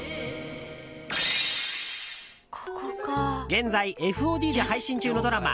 現在ＦＯＤで配信中のドラマ